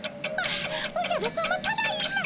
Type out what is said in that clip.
あおじゃるさまただいま。